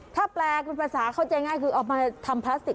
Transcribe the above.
ถ้าแปลเป็นภาษาเข้าใจง่ายคือออกมาทำพลาสติก